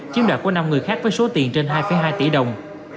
chiếm đoạt của năm người khác với số tiền trên hai hai tỷ đồng